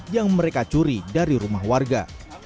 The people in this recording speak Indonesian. yang mereka curi dari rumah warga